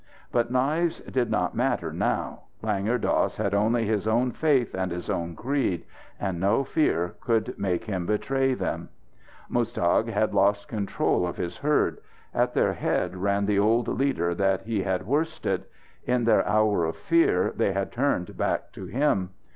But knives did not matter now. Langur Dass had only his own faith and his own creed, and no fear could make him betray them. Muztagh had lost control of his herd. At their head ran the old leader that he had worsted. In their hour of fear they had turned back to him.